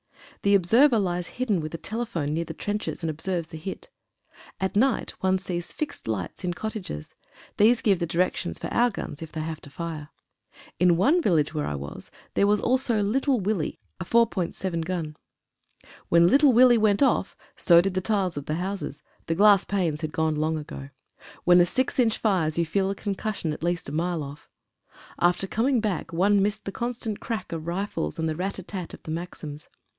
The observer lies hidden with a telephone near the trenches and observes the hit. At night one sees fixed lights in cottages. These give the directions for our guns, if they have to fire. In one village where I was, there was also "Little Willie" — a 4.7in. gun. When "Little Willie" went off, so did the tiles of the houses — the glass panes had gone long ago. When a 6 inch fires you feel the concussion at least a mile off. After coming back one missed the constant crack of rifles and the rat a tat of the maxims.